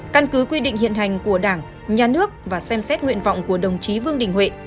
căn cứ quy định hiện hành của đảng nhà nước và xem xét nguyện vọng của đồng chí vương đình huệ